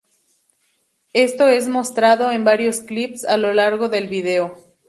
Esto es mostrado en varios clips a lo largo del vídeo.